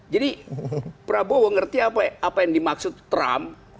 jadi prabowo ngerti apa yang dimaksud trump